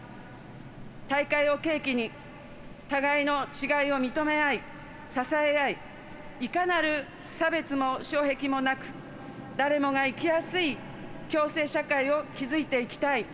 大会を契機に、互いの違いを認め合い、支え合いいかなる差別も障壁もなく誰もが生きやすい共生社会を築いていきたい。